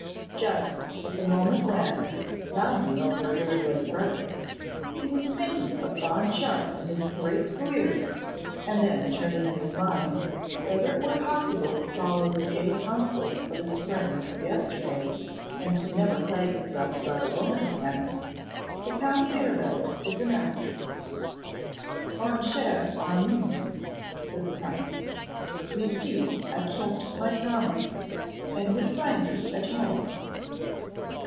Just at the moment when, lounging over a very late breakfast, he was thinking of Bond Sharpe and his great career, and then turning in his mind whether it were possible to follow the gay counsels of his friends of yesterday, and never plague himself about a woman again, the Count Mirabel was announced. Mon cher Armine,' said the Count, 'you see I kept my promise, and would find you at home.